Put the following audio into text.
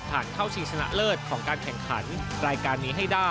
ผ่านเข้าชีชนะเลิศของการแข่งขัน